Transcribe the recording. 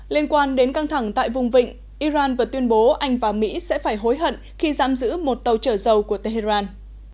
liên quan đến căng thẳng tại vùng vịnh iran vừa tuyên bố anh và mỹ sẽ phải hối hận khi giam giữ một tàu chở dầu của tehran